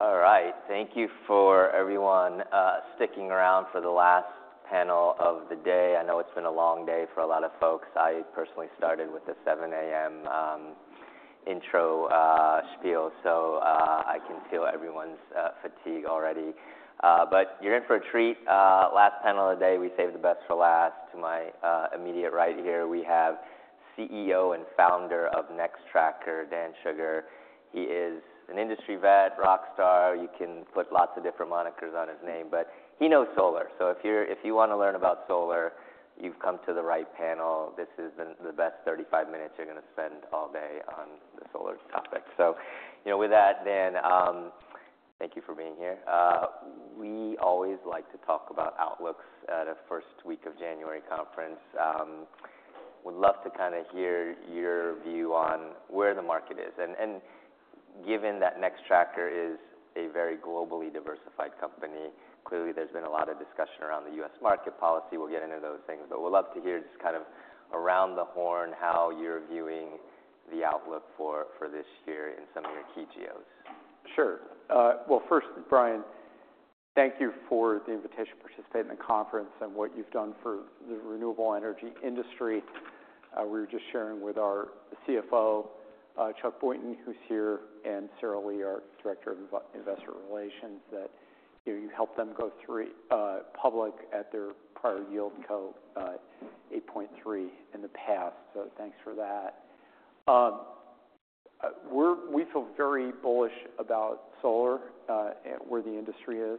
All right. Thank you for everyone, sticking around for the last panel of the day. I know it's been a long day for a lot of folks. I personally started with the 7:00 A.M. intro, spiel, so I can feel everyone's fatigue already, but you're in for a treat. Last panel of the day, we save the best for last. To my immediate right here, we have CEO and founder of Nextracker, Dan Shugar. He is an industry vet, rock star. You can put lots of different monikers on his name, but he knows solar. So if you're—if you want to learn about solar, you've come to the right panel. This is the best 35 minutes you're going to spend all day on the solar topic. So, you know, with that, Dan, thank you for being here. We always like to talk about outlooks at a first week of January conference. Would love to kind of hear your view on where the market is. And given that Nextracker is a very globally diversified company, clearly there's been a lot of discussion around the U.S. market policy. We'll get into those things, but we'd love to hear just kind of around the horn how you're viewing the outlook for this year in some of your key geos. Sure. Well, first, Brian, thank you for the invitation to participate in the conference and what you've done for the renewable energy industry. We were just sharing with our CFO, Chuck Boynton, who's here, and Sarah Li, our director of investor relations, that, you know, you helped them go public at their prior yieldco, 8point3 in the past. So thanks for that. We feel very bullish about solar, where the industry is.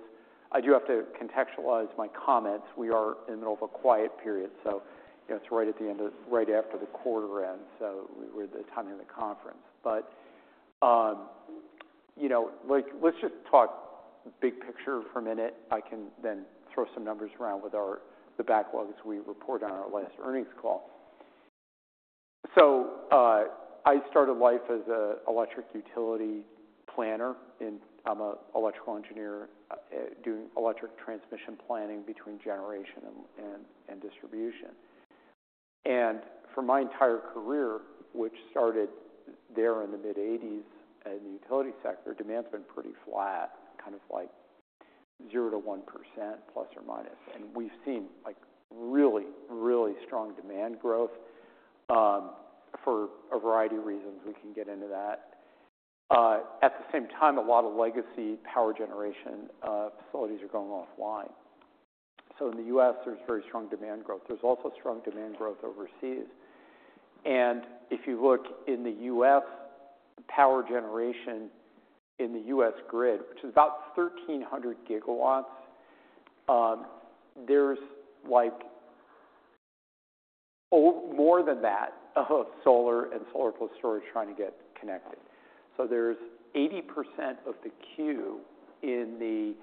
I do have to contextualize my comments. We are in the middle of a quiet period, so, you know, it's right after the quarter end. So we're at the time of the conference. But, you know, let's just talk big picture for a minute. I can then throw some numbers around with our backlogs we report on our last earnings call. I started life as an electric utility planner, and I'm an electrical engineer, doing electric transmission planning between generation and distribution. For my entire career, which started there in the mid-1980s in the utility sector, demand's been pretty flat, kind of like 0%-1%, plus or minus. We've seen, like, really, really strong demand growth, for a variety of reasons. We can get into that. At the same time, a lot of legacy power generation facilities are going offline. In the U.S., there's very strong demand growth. There's also strong demand growth overseas. If you look in the U.S., power generation in the U.S. grid, which is about 1,300 GW, there's, like, more than that of solar and solar-plus storage trying to get connected. There's 80% of the queue in the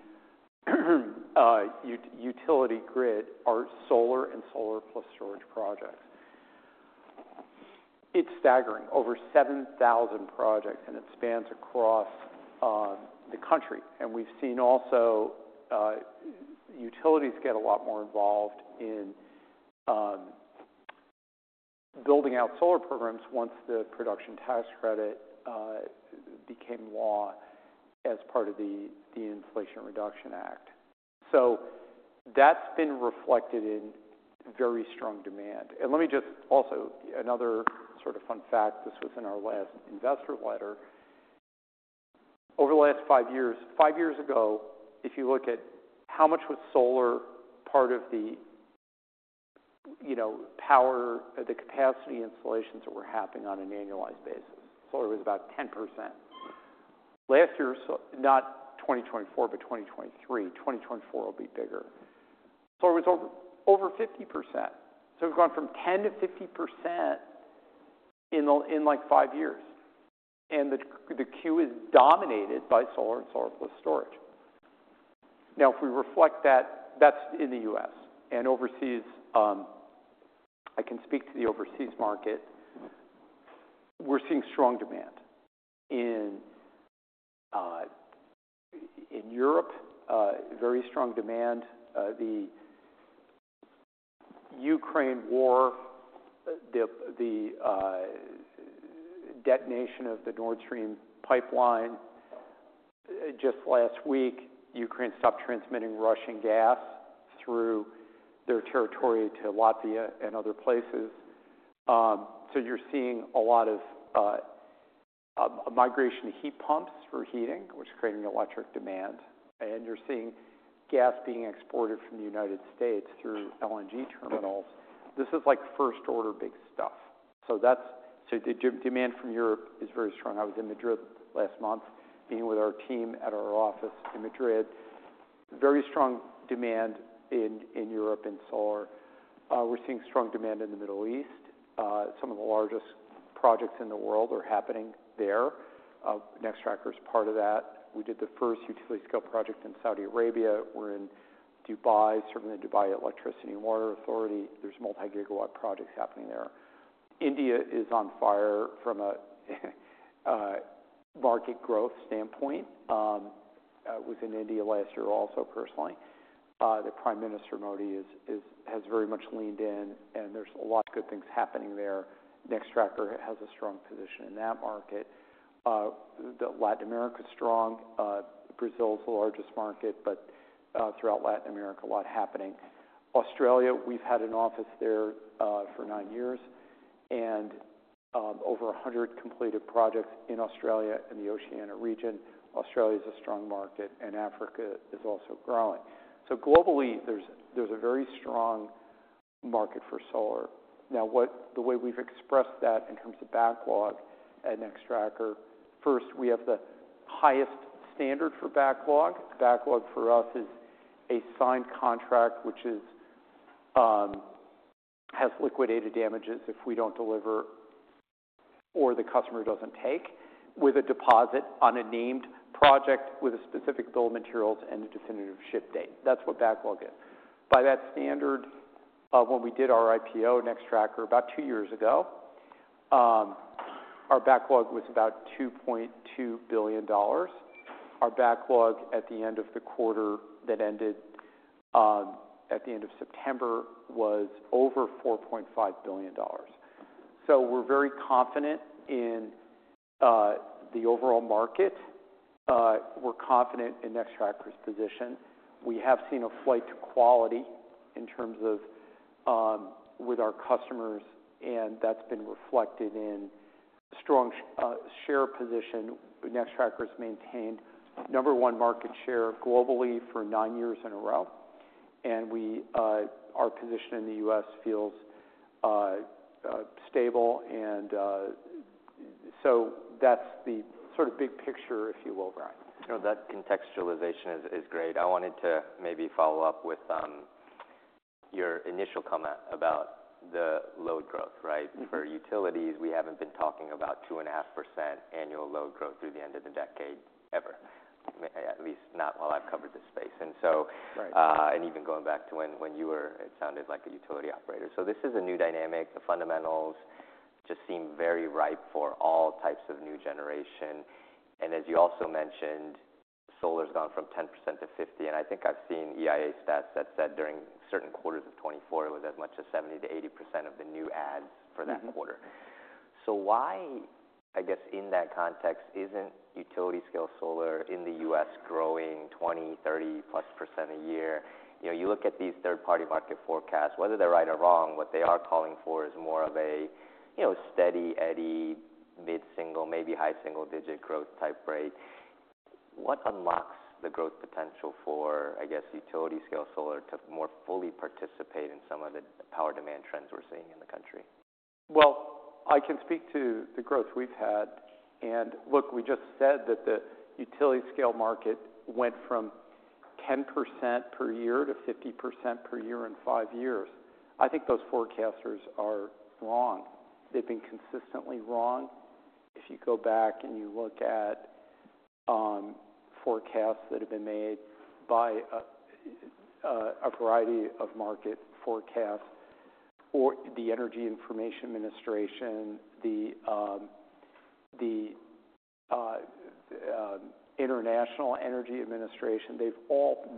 utility grid are solar and solar-plus storage projects. It's staggering. Over 7,000 projects, and it spans across the country. And we've seen also utilities get a lot more involved in building out solar programs once the production tax credit became law as part of the Inflation Reduction Act. So that's been reflected in very strong demand. And let me just also, another sort of fun fact. This was in our last investor letter. Over the last five years, five years ago, if you look at how much was solar part of the, you know, power, the capacity installations that were happening on an annualized basis, solar was about 10%. Last year, so not 2024, but 2023. 2024 will be bigger. So it was over 50%. So we've gone from 10 to 50% in like five years. And the queue is dominated by solar and solar-plus storage. Now, if we reflect that, that's in the U.S. And overseas, I can speak to the overseas market. We're seeing strong demand in Europe, very strong demand. The Ukraine war, the detonation of the Nord Stream pipeline, just last week, Ukraine stopped transmitting Russian gas through their territory to Latvia and other places. So you're seeing a lot of migration to heat pumps for heating, which is creating electric demand. And you're seeing gas being exported from the United States through LNG terminals. This is, like, first-order big stuff. So that's so the demand from Europe is very strong. I was in Madrid last month, being with our team at our office in Madrid. Very strong demand in Europe in solar. We're seeing strong demand in the Middle East. Some of the largest projects in the world are happening there. Nextracker's part of that. We did the first utility-scale project in Saudi Arabia. We're in Dubai, serving the Dubai Electricity and Water Authority. There's multi-gigawatt projects happening there. India is on fire from a market growth standpoint. I was in India last year also personally. The Prime Minister, Modi, has very much leaned in, and there's a lot of good things happening there. Nextracker has a strong position in that market. The Latin America's strong. Brazil's the largest market, but throughout Latin America, a lot happening. Australia, we've had an office there for nine years, and over 100 completed projects in Australia and the Oceania region. Australia's a strong market, and Africa is also growing. So globally, there's a very strong market for solar. Now, the way we've expressed that in terms of backlog at Nextracker, first, we have the highest standard for backlog. Backlog for us is a signed contract which has liquidated damages if we don't deliver or the customer doesn't take, with a deposit on a named project with a specific bill of materials and a definitive ship date. That's what backlog is. By that standard, when we did our IPO, Nextracker, about two years ago, our backlog was about $2.2 billion. Our backlog at the end of the quarter that ended, at the end of September was over $4.5 billion. So we're very confident in the overall market. We're confident in Nextracker's position. We have seen a flight to quality in terms of with our customers, and that's been reflected in strong share position. Nextracker's maintained number one market share globally for nine years in a row. We, our position in the U.S. feels stable. So that's the sort of big picture, if you will, Brian. You know, that contextualization is great. I wanted to maybe follow up with your initial comment about the load growth, right? For utilities, we haven't been talking about 2.5% annual load growth through the end of the decade ever, at least not while I've covered this space. And so, and even going back to when you were, it sounded like a utility operator. This is a new dynamic. The fundamentals just seem very ripe for all types of new generation. And as you also mentioned, solar's gone from 10%-50%. I think I've seen EIA stats that said during certain quarters of 2024, it was as much as 70%-80% of the new adds for that quarter. So why, I guess, in that context, isn't utility-scale solar in the U.S. growing 20%-30+% a year? You know, you look at these third-party market forecasts, whether they're right or wrong. What they are calling for is more of a, you know, steady-eddy, mid-single, maybe high single-digit growth type rate. What unlocks the growth potential for, I guess, utility-scale solar to more fully participate in some of the power demand trends we're seeing in the country? I can speak to the growth we've had. Look, we just said that the utility-scale market went from 10% per year to 50% per year in five years. I think those forecasters are wrong. They've been consistently wrong. If you go back and you look at forecasts that have been made by a variety of market forecasts, or the Energy Information Administration, the International Energy Agency, they've all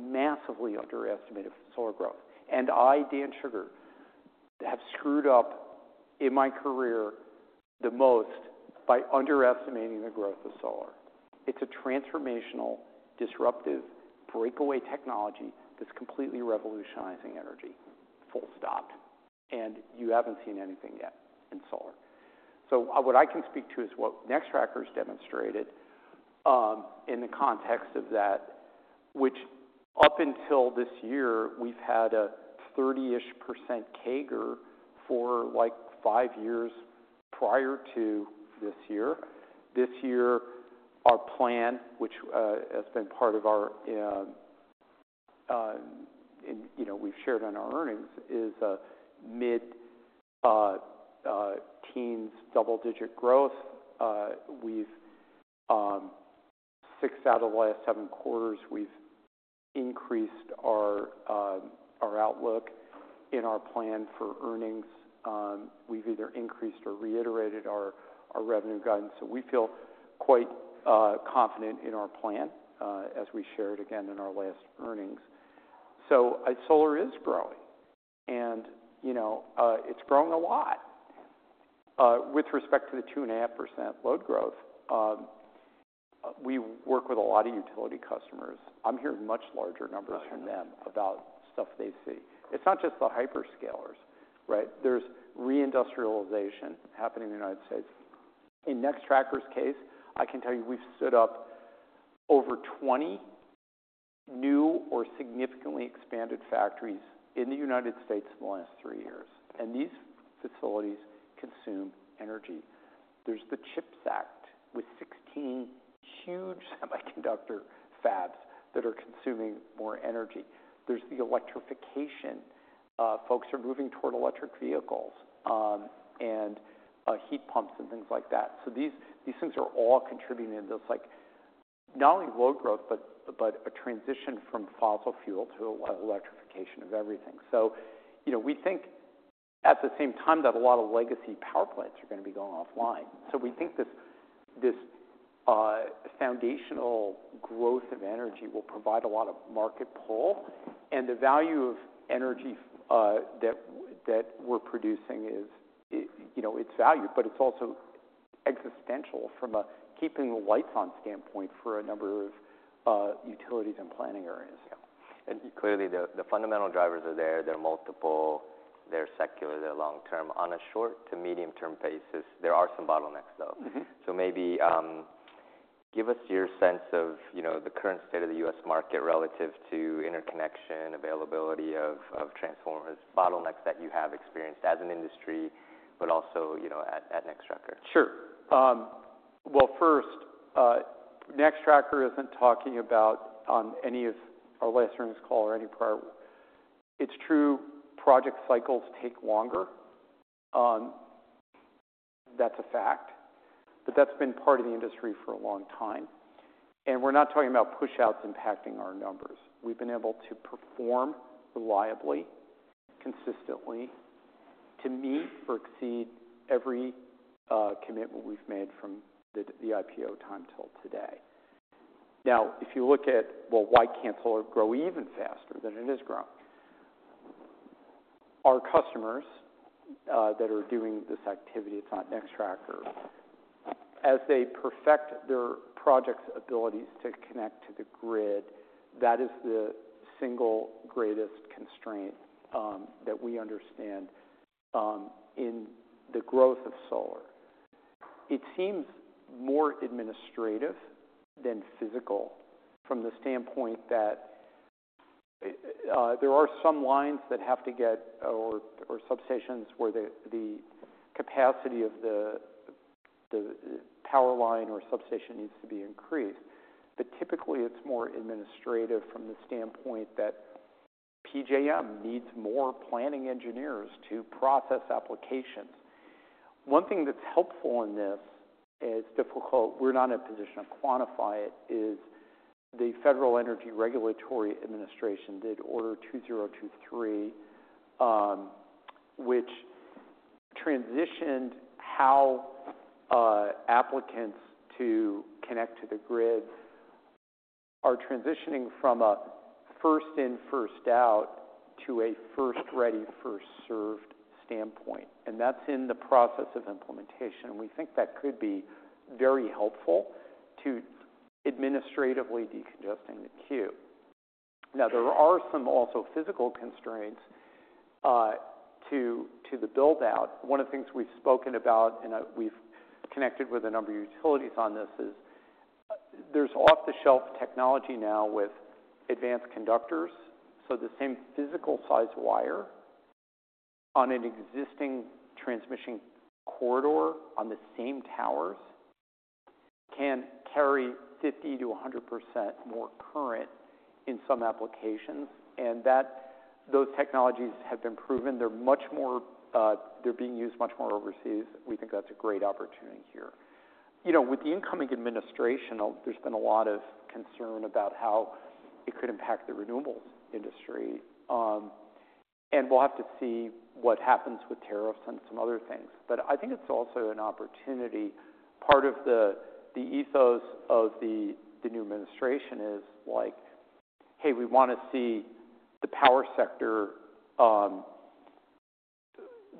massively underestimated solar growth. I, Dan Shugar, have screwed up in my career the most by underestimating the growth of solar. It's a transformational, disruptive, breakaway technology that's completely revolutionizing energy. Full stop. You haven't seen anything yet in solar. What I can speak to is what Nextracker's demonstrated, in the context of that, which up until this year, we've had a 30-ish% CAGR for, like, five years prior to this year. This year, our plan, which has been part of our, you know, we've shared on our earnings, is a mid-teens double-digit growth. We've six out of the last seven quarters, we've increased our outlook in our plan for earnings. We've either increased or reiterated our revenue guidance. We feel quite confident in our plan, as we shared again in our last earnings. Solar is growing. You know, it's growing a lot. With respect to the 2.5% load growth, we work with a lot of utility customers. I'm hearing much larger numbers from them about stuff they see. It's not just the hyperscalers, right? There's reindustrialization happening in the United States. In Nextracker's case, I can tell you we've stood up over 20 new or significantly expanded factories in the United States in the last three years. These facilities consume energy. There's the CHIPS Act with 16 huge semiconductor fabs that are consuming more energy. There's the electrification. Folks are moving toward electric vehicles, and heat pumps and things like that. So these things are all contributing to this, like, not only load growth, but a transition from fossil fuel to electrification of everything. So, you know, we think at the same time that a lot of legacy power plants are going to be going offline. So we think this foundational growth of energy will provide a lot of market pull, and the value of energy that we're producing is, you know, it's valued, but it's also existential from a keeping the lights on standpoint for a number of utilities and planning areas. Yeah. And clearly, the fundamental drivers are there. They're multiple. They're secular. They're long-term. On a short to medium-term basis, there are some bottlenecks, though. So maybe, give us your sense of, you know, the current state of the U.S. market relative to interconnection, availability of transformers, bottlenecks that you have experienced as an industry, but also, you know, at Nextracker. Sure. Well, first, Nextracker isn't talking about any of our last earnings call or any prior. It's true project cycles take longer. That's a fact. But that's been part of the industry for a long time. And we're not talking about push-outs impacting our numbers. We've been able to perform reliably, consistently, to meet or exceed every commitment we've made from the IPO time till today. Now, if you look at why can't solar grow even faster than it is growing? Our customers that are doing this activity, it's not Nextracker, as they perfect their project's abilities to connect to the grid, that is the single greatest constraint that we understand in the growth of solar. It seems more administrative than physical from the standpoint that there are some lines that have to be upgraded or substations where the capacity of the power line or substation needs to be increased. But typically, it's more administrative from the standpoint that PJM needs more planning engineers to process applications. One thing that's helpful in this is difficult. We're not in a position to quantify it: the Federal Energy Regulatory Commission issued Order 2023, which transitioned how applicants to connect to the grid are transitioning from a first-come, first-served to a first-ready, first-served standpoint. And that's in the process of implementation. And we think that could be very helpful to administratively decongesting the queue. Now, there are also some physical constraints to the build-out. One of the things we've spoken about, and we've connected with a number of utilities on this, is there's off-the-shelf technology now with advanced conductors. So the same physical size wire on an existing transmission corridor on the same towers can carry 50%-100% more current in some applications, and that those technologies have been proven. They're much more, they're being used much more overseas. We think that's a great opportunity here. You know, with the incoming administration, there's been a lot of concern about how it could impact the renewables industry, and we'll have to see what happens with tariffs and some other things. But I think it's also an opportunity. Part of the ethos of the new administration is like, "Hey, we want to see the power sector,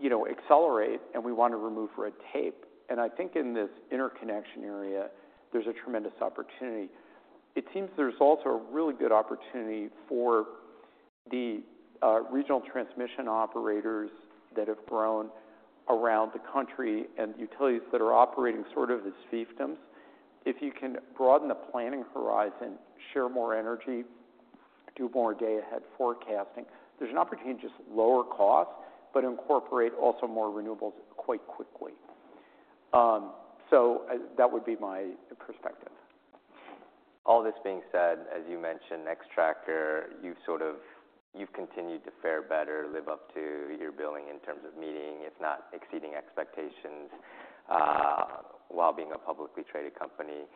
you know, accelerate, and we want to remove red tape." And I think in this interconnection area, there's a tremendous opportunity. It seems there's also a really good opportunity for the regional transmission operators that have grown around the country and the utilities that are operating sort of as fiefdoms. If you can broaden the planning horizon, share more energy, do more day-ahead forecasting, there's an opportunity to just lower costs but incorporate also more renewables quite quickly. So that would be my perspective. All this being said, as you mentioned, Nextracker, you've sort of, you've continued to fare better, live up to your billing in terms of meeting, if not exceeding expectations, while being a publicly traded company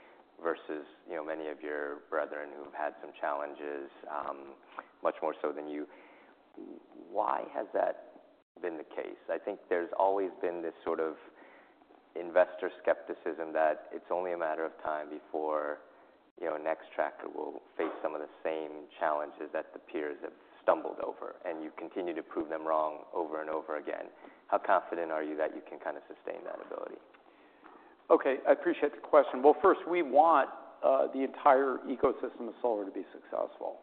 versus, you know, many of your brethren who've had some challenges, much more so than you. Why has that been the case? I think there's always been this sort of investor skepticism that it's only a matter of time before, you know, Nextracker will face some of the same challenges that the peers have stumbled over, and you continue to prove them wrong over and over again. How confident are you that you can kind of sustain that ability? Okay. I appreciate the question. Well, first we want the entire ecosystem of solar to be successful,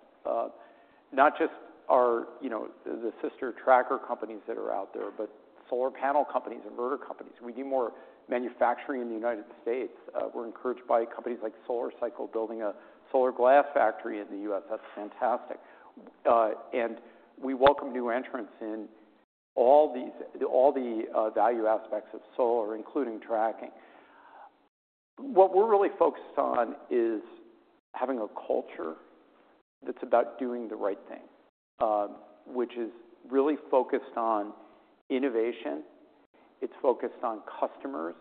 not just our, you know, the sister tracker companies that are out there, but solar panel companies, inverter companies. We do more manufacturing in the United States. We're encouraged by companies like SolarCycle building a solar glass factory in the U.S. That's fantastic, and we welcome new entrants in all these value aspects of solar, including tracking. What we're really focused on is having a culture that's about doing the right thing, which is really focused on innovation. It's focused on customers,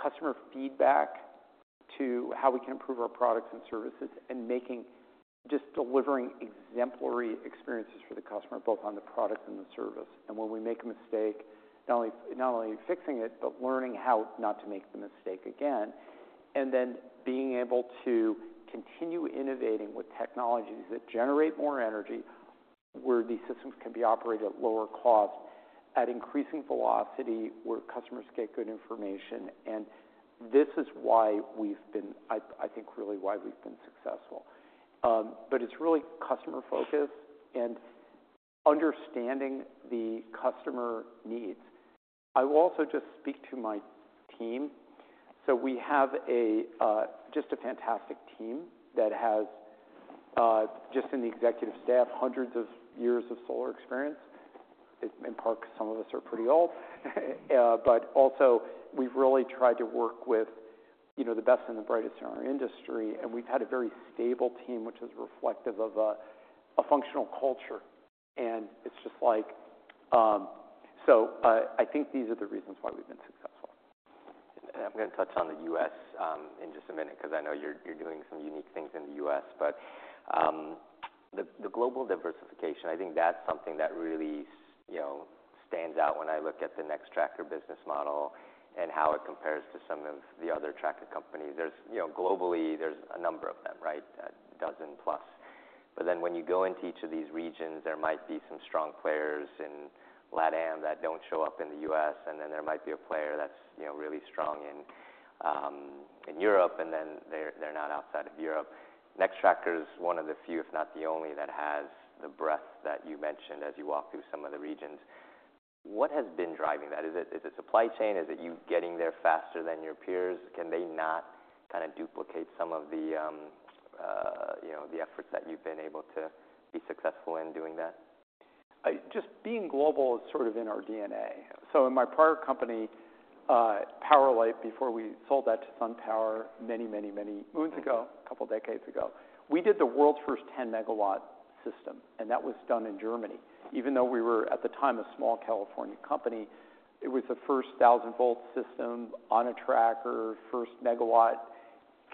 customer feedback to how we can improve our products and services, and making just delivering exemplary experiences for the customer, both on the product and the service. And when we make a mistake, not only fixing it, but learning how not to make the mistake again. And then being able to continue innovating with technologies that generate more energy where these systems can be operated at lower cost, at increasing velocity where customers get good information. And this is why we've been. I think really why we've been successful. But it's really customer focus and understanding the customer needs. I will also just speak to my team. So we have just a fantastic team that has, just in the executive staff, hundreds of years of solar experience. In part, some of us are pretty old. But also we've really tried to work with, you know, the best and the brightest in our industry. And we've had a very stable team, which is reflective of a functional culture. And it's just like, so, I think these are the reasons why we've been successful. I'm going to touch on the U.S. in just a minute because I know you're doing some unique things in the U.S., but the global diversification, I think that's something that really, you know, stands out when I look at the Nextracker business model and how it compares to some of the other tracker companies. There's, you know, globally, there's a number of them, right? A dozen plus. But then when you go into each of these regions, there might be some strong players in LATAM that don't show up in the U.S., and then there might be a player that's, you know, really strong in Europe, and then they're not outside of Europe. Nextracker's one of the few, if not the only, that has the breadth that you mentioned as you walk through some of the regions. What has been driving that? Is it, is it supply chain? Is it you getting there faster than your peers? Can they not kind of duplicate some of the, you know, the efforts that you've been able to be successful in doing that? Just being global is sort of in our DNA. So in my prior company, PowerLight, before we sold that to SunPower many, many, many moons ago, a couple of decades ago, we did the world's first 10 MW system. And that was done in Germany. Even though we were at the time a small California company, it was the first 1,000-volt system on a tracker, first megawatt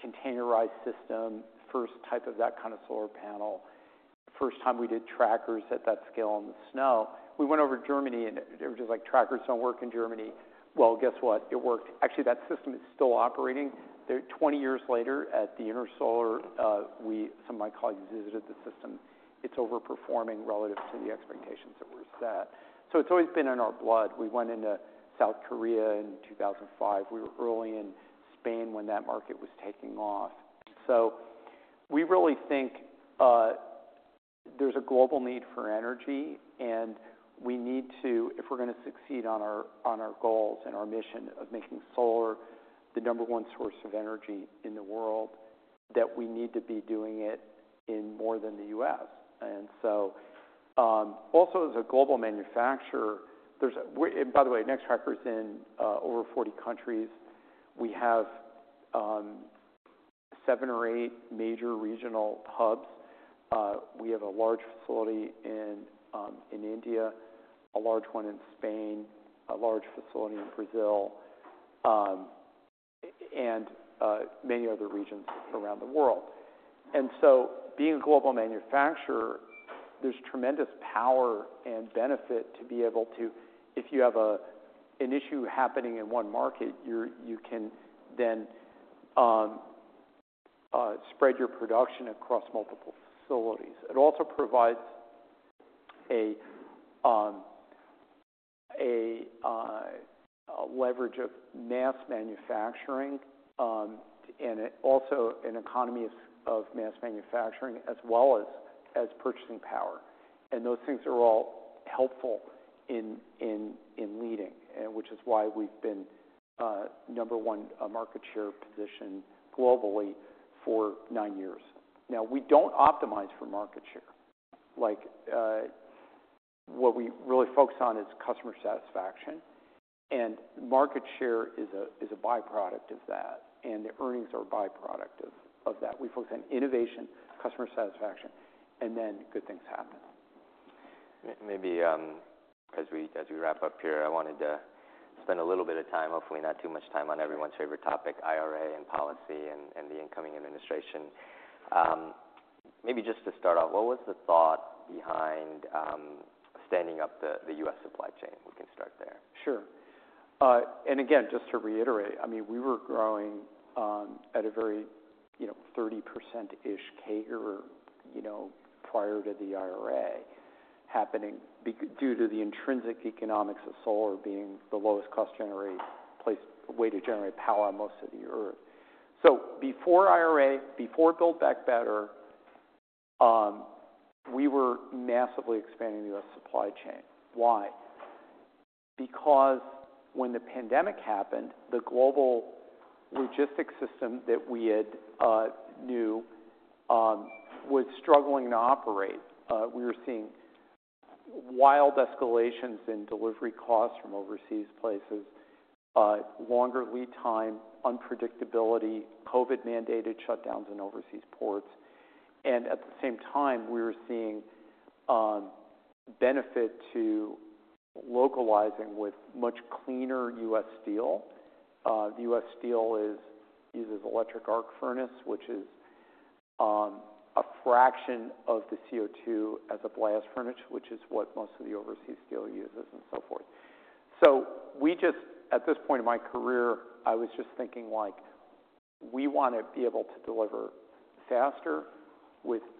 containerized system, first type of that kind of solar panel, first time we did trackers at that scale in the snow. We went over to Germany, and it was just like, "Trackers don't work in Germany." Well, guess what? It worked. Actually, that system is still operating. 20 years later at Ersol, some of my colleagues visited the system. It's overperforming relative to the expectations that were set. So it's always been in our blood. We went into South Korea in 2005. We were early in Spain when that market was taking off. And so we really think, there's a global need for energy. And we need to, if we're going to succeed on our goals and our mission of making solar the number one source of energy in the world, that we need to be doing it in more than the U.S. And so, also as a global manufacturer, there's, and by the way, Nextracker's in over 40 countries. We have seven or eight major regional hubs. We have a large facility in India, a large one in Spain, a large facility in Brazil, and many other regions around the world. And so being a global manufacturer, there's tremendous power and benefit to be able to, if you have an issue happening in one market, you can then spread your production across multiple facilities. It also provides a leverage of mass manufacturing, and also an economy of mass manufacturing as well as purchasing power. And those things are all helpful in leading, which is why we've been number one market share position globally for nine years. Now, we don't optimize for market share. Like, what we really focus on is customer satisfaction. And market share is a byproduct of that. And the earnings are a byproduct of that. We focus on innovation, customer satisfaction, and then good things happen. Maybe, as we wrap up here, I wanted to spend a little bit of time, hopefully not too much time, on everyone's favorite topic, IRA and policy and the incoming administration. Maybe just to start off, what was the thought behind standing up the U.S. supply chain? We can start there. Sure. And again, just to reiterate, I mean, we were growing at a very, you know, 30%-ish CAGR, you know, prior to the IRA happening due to the intrinsic economics of solar being the lowest cost generator place, way to generate power on most of the Earth. So before IRA, before Build Back Better, we were massively expanding the U.S. supply chain. Why? Because when the pandemic happened, the global logistics system that we had known was struggling to operate. We were seeing wild escalations in delivery costs from overseas places, longer lead time, unpredictability, COVID-mandated shutdowns in overseas ports. And at the same time, we were seeing benefit to localizing with much cleaner U.S. steel. The U.S. steel uses electric arc furnace, which is a fraction of the CO2 as a blast furnace, which is what most of the overseas steel uses and so forth. So we just, at this point in my career, I was just thinking like we want to be able to deliver faster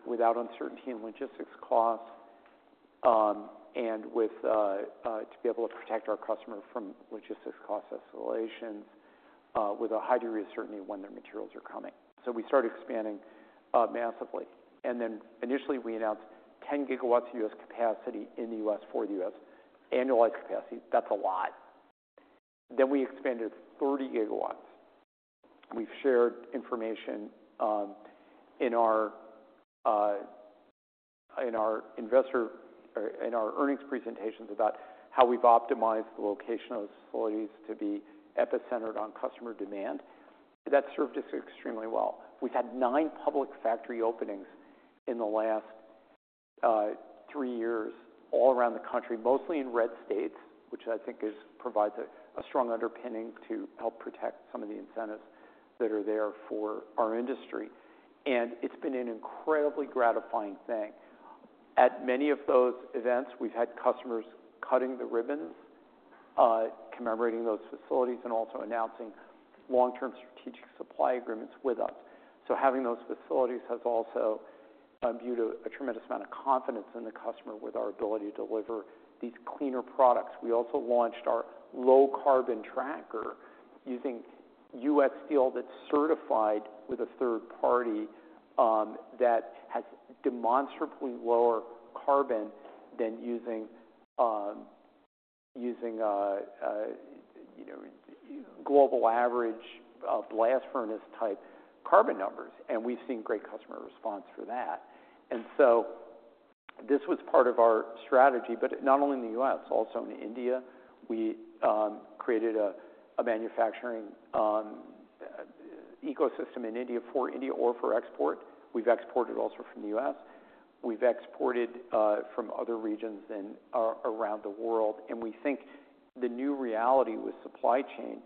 without uncertainty in logistics costs, and to be able to protect our customer from logistics cost escalations, with a high degree of certainty when their materials are coming. So we started expanding, massively. And then initially we announced 10 GW of U.S. capacity in the U.S. for the U.S., annualized capacity. That's a lot. Then we expanded 30 GW. We've shared information in our investor or in our earnings presentations about how we've optimized the location of the facilities to be epicentered on customer demand. That served us extremely well. We've had nine public factory openings in the last three years all around the country, mostly in red states, which I think provides a strong underpinning to help protect some of the incentives that are there for our industry. And it's been an incredibly gratifying thing. At many of those events, we've had customers cutting the ribbons, commemorating those facilities and also announcing long-term strategic supply agreements with us. So having those facilities has also imbued a tremendous amount of confidence in the customer with our ability to deliver these cleaner products. We also launched our low-carbon tracker using U.S. steel that's certified with a third party that has demonstrably lower carbon than using, you know, global average blast furnace type carbon numbers. And we've seen great customer response for that. And so this was part of our strategy, but not only in the U.S., also in India. We created a manufacturing ecosystem in India for India or for export. We've exported also from the U.S. We've exported from other regions around the world, and we think the new reality with supply chain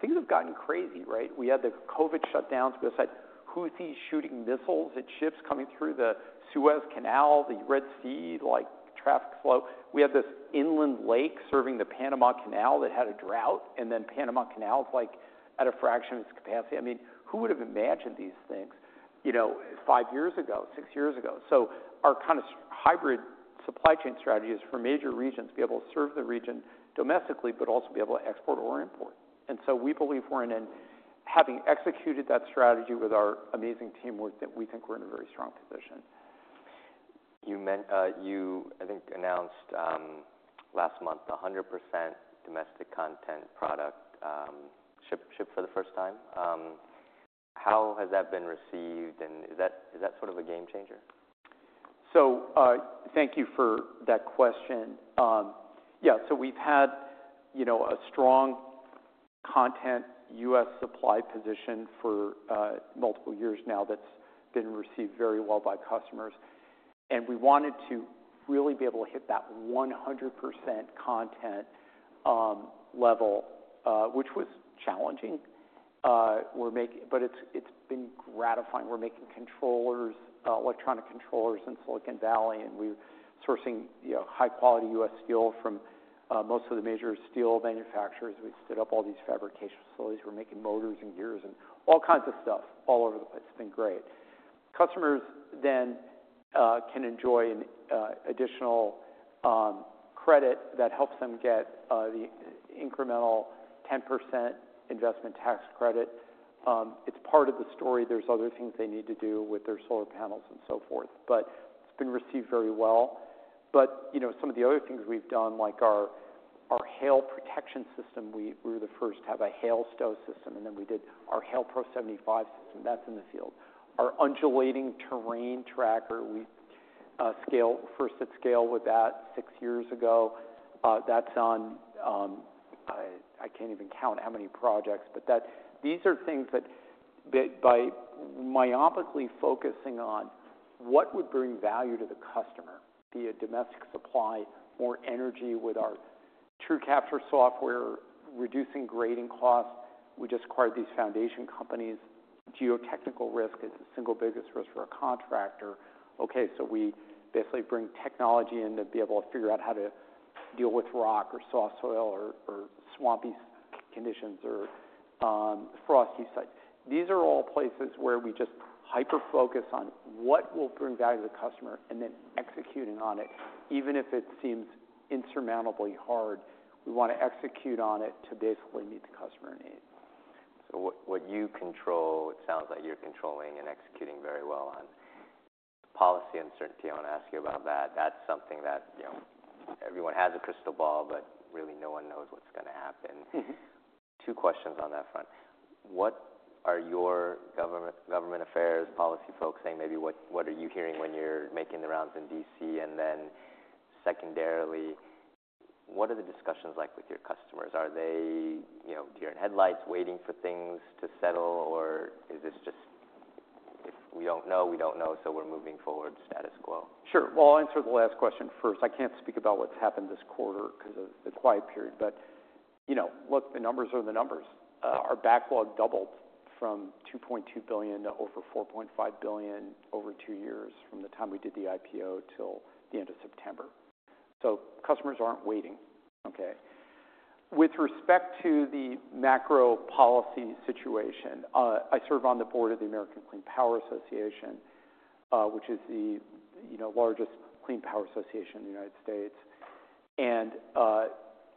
things have gotten crazy, right? We had the COVID shutdowns. We said, "Who sees shooting missiles at ships coming through the Suez Canal, the Red Sea, like traffic flow?" We had this inland lake serving the Panama Canal that had a drought, and then Panama Canal's like at a fraction of its capacity. I mean, who would have imagined these things, you know, five years ago, six years ago, so our kind of hybrid supply chain strategy is for major regions to be able to serve the region domestically, but also be able to export or import. And so we believe we're in a, having executed that strategy with our amazing teamwork, that we think we're in a very strong position. You mean you, I think, announced last month the 100% domestic content product shipment for the first time? How has that been received, and is that sort of a game changer? Thank you for that question. Yeah. We've had, you know, a strong content U.S. supply position for multiple years now that's been received very well by customers. And we wanted to really be able to hit that 100% content level, which was challenging, but it's been gratifying. We're making controllers, electronic controllers in Silicon Valley. And we're sourcing, you know, high-quality U.S. steel from most of the major steel manufacturers. We stood up all these fabrication facilities. We're making motors and gears and all kinds of stuff all over the place. It's been great. Customers then can enjoy an additional credit that helps them get the incremental 10% investment tax credit. It's part of the story. There's other things they need to do with their solar panels and so forth. But it's been received very well. But you know, some of the other things we've done, like our hail protection system. We were the first to have a hail stow system. And then we did our Hail Pro 75 system. That's in the field. Our undulating terrain tracker, we scaled first at scale with that six years ago. That's on. I can't even count how many projects, but these are things that by myopically focusing on what would bring value to the customer, be a domestic supply, more energy with our TrueCapture software, reducing grading costs. We just acquired these foundation companies. Geotechnical risk is the single biggest risk for a contractor. Okay. So we basically bring technology in to be able to figure out how to deal with rock or soft soil or swampy conditions or frosty sites. These are all places where we just hyper-focus on what will bring value to the customer and then executing on it, even if it seems insurmountably hard. We want to execute on it to basically meet the customer needs. So what you control, it sounds like you're controlling and executing very well on policy uncertainty. I want to ask you about that. That's something that, you know, everyone has a crystal ball, but really no one knows what's going to happen. Mm-hmm. Two questions on that front. What are your government affairs policy folks saying? Maybe what are you hearing when you're making the rounds in DC? And then secondarily, what are the discussions like with your customers? Are they, you know, deer in headlights waiting for things to settle? Or is this just, if we don't know, we don't know. So we're moving forward status quo. Sure. Well, I'll answer the last question first. I can't speak about what's happened this quarter because of the quiet period. But, you know, look, the numbers are the numbers. Our backlog doubled from $2.2 billion to over $4.5 billion over two years from the time we did the IPO till the end of September. So customers aren't waiting. Okay. With respect to the macro policy situation, I serve on the board of the American Clean Power Association, which is the, you know, largest clean power association in the United States. And,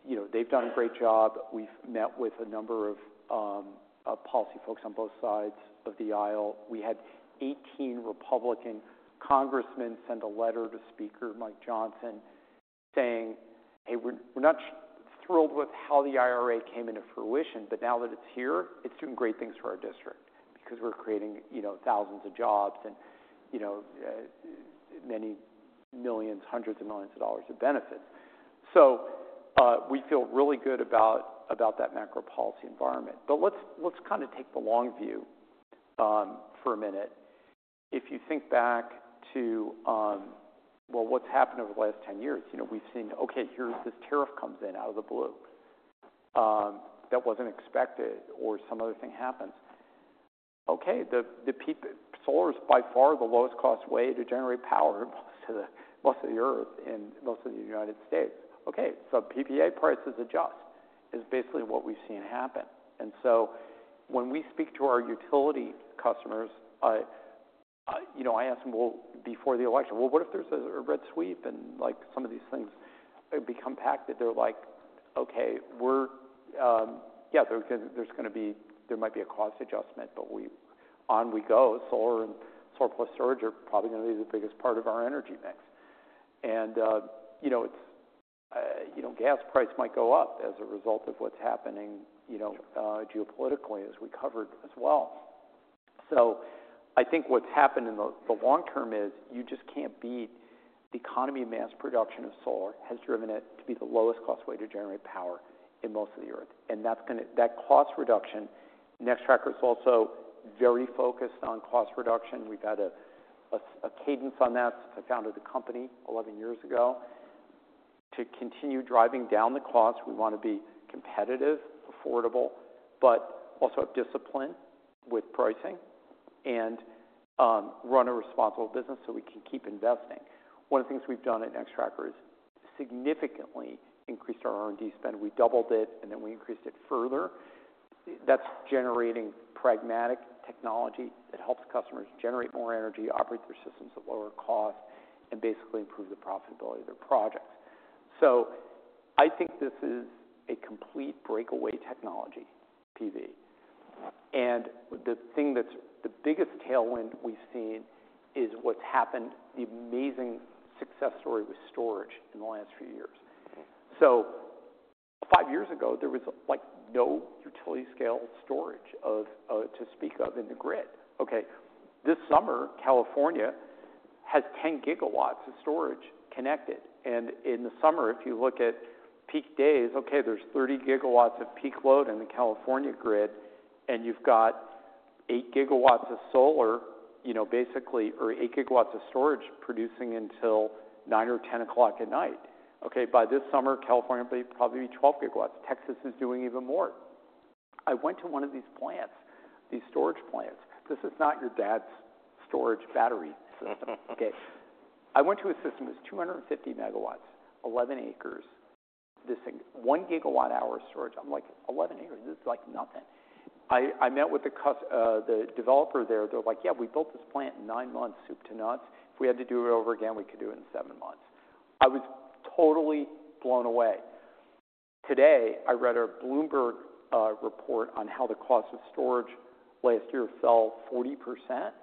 you know, they've done a great job. We've met with a number of, policy folks on both sides of the aisle. We had 18 Republican congressmen send a letter to Speaker Mike Johnson saying, "Hey, we're not thrilled with how the IRA came into fruition, but now that it's here, it's doing great things for our district because we're creating, you know, thousands of jobs and, you know, many millions, hundreds of millions of dollars of benefits." So, we feel really good about that macro policy environment. But let's kind of take the long view, for a minute. If you think back to, well, what's happened over the last 10 years, you know, we've seen, okay, here's this tariff comes in out of the blue, that wasn't expected, or some other thing happens. Okay. The PV solar is by far the lowest cost way to generate power most of the Earth in most of the United States. Okay. So PPA prices adjust is basically what we've seen happen. And so when we speak to our utility customers, you know, I asked them, well, before the election, what if there's a red wave and like some of these things become axed that they're like, "Okay, yeah, there's going to be, there might be a cost adjustment, but we go. Solar and solar plus storage are probably going to be the biggest part of our energy mix." And, you know, it's, you know, gas price might go up as a result of what's happening, you know, geopolitically as we covered as well. So I think what's happened in the long term is you just can't beat the economy of mass production of solar has driven it to be the lowest cost way to generate power in most of the Earth. And that's going to, that cost reduction. Nextracker is also very focused on cost reduction. We've had a cadence on that since I founded the company 11 years ago to continue driving down the cost. We want to be competitive, affordable, but also have discipline with pricing and run a responsible business so we can keep investing. One of the things we've done at Nextracker is significantly increased our R&D spend. We doubled it and then we increased it further. That's generating pragmatic technology that helps customers generate more energy, operate their systems at lower cost, and basically improve the profitability of their projects. So I think this is a complete breakaway technology, PV. And the thing that's the biggest tailwind we've seen is what's happened, the amazing success story with storage in the last few years. So five years ago, there was like no utility-scale storage to speak of in the grid. Okay. This summer, California has 10 GW of storage connected. And in the summer, if you look at peak days, okay, there's 30 GW of peak load in the California grid and you've got 8 GW of solar, you know, basically, or 8 GW of storage producing until 9:00 P.M. or 10:00 P.M. Okay. By this summer, California will probably be 12 GW. Texas is doing even more. I went to one of these plants, these storage plants. This is not your dad's storage battery system. Okay. I went to a system that was 250 MW, 11 acres, this thing, 1 GW-hour storage. I'm like, "11 acres? This is like nothing." I met with the customer, the developer there. They're like, "Yeah, we built this plant in nine months, soup to nuts. If we had to do it over again, we could do it in seven months." I was totally blown away. Today, I read a Bloomberg report on how the cost of storage last year fell 40%.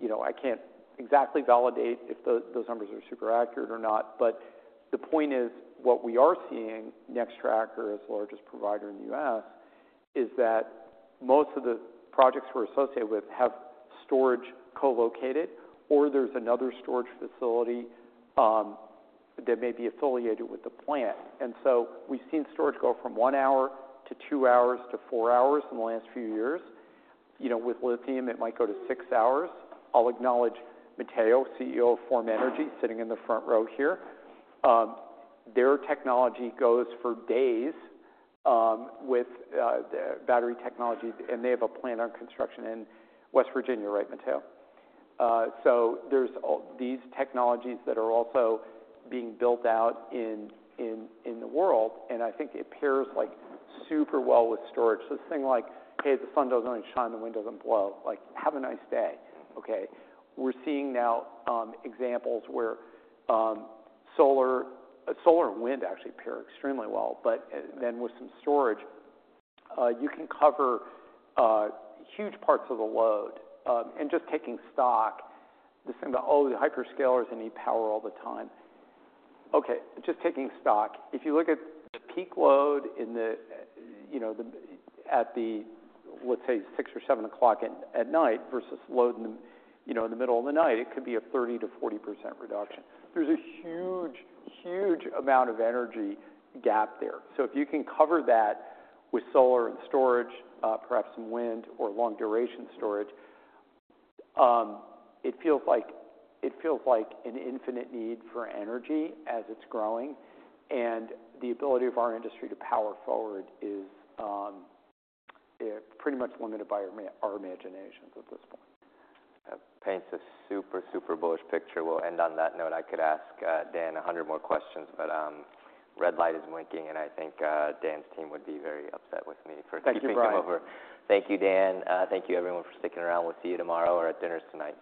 You know, I can't exactly validate if those numbers are super accurate or not. But the point is what we are seeing. Nextracker is the largest provider in the U.S. is that most of the projects we're associated with have storage co-located or there's another storage facility that may be affiliated with the plant. And so we've seen storage go from one hour to two hours to four hours in the last few years. You know, with lithium, it might go to six hours. I'll acknowledge Mateo Jaramillo, CEO of Form Energy, sitting in the front row here. Their technology goes for days with the battery technology, and they have a plant under construction in West Virginia, right, Mateo? So there's all these technologies that are also being built out in the world. And I think it pairs like super well with storage. So this thing like, "Hey, the sun doesn't always shine, the wind doesn't blow. Like have a nice day." Okay. We're seeing now examples where solar and wind actually pair extremely well. But then with some storage, you can cover huge parts of the load. And just taking stock, this thing that, "Oh, the hyperscalers need power all the time." Okay. Just taking stock, if you look at the peak load in the, you know, at the, let's say 6:00 P.M or 7:00 P.M at night versus load in the, you know, in the middle of the night, it could be a 30%-40% reduction. There's a huge, huge amount of energy gap there. So if you can cover that with solar and storage, perhaps some wind or long duration storage, it feels like, it feels like an infinite need for energy as it's growing. And the ability of our industry to power forward is, pretty much limited by our, our imaginations at this point. Paints a super, super bullish picture. We'll end on that note. I could ask Dan a hundred more questions, but red light is blinking, and I think Dan's team would be very upset with me for keeping them over. Thank you, Brian. Thank you, Dan. Thank you everyone for sticking around. We'll see you tomorrow or at dinners tonight.